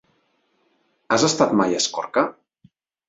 Has estat mai a Escorca?